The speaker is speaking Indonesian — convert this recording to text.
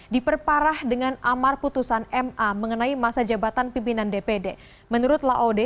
diperparah dengan amar putusan ma mengenai masa jabatan pimpinan dpd menurut laode